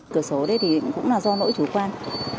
cửa sổ đấy thì cũng là do lỗi chủ quan